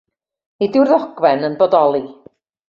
Nid yw'r ddogfen yn bodoli.